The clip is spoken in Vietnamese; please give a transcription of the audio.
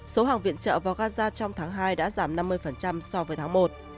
số hàng viện trợ vào gaza trong tháng hai đã giảm năm mươi so với tháng một